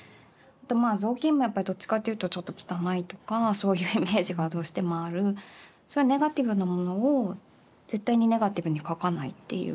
ぞうきんもやっぱりどっちかっていうとちょっと汚いとかそういうイメージがどうしてもあるそういうネガティブなものを絶対にネガティブに描かないっていう。